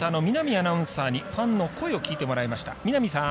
アナウンサーにファンの声を聞いてもらいました。